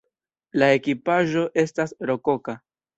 La ekipaĵo estas rokoka.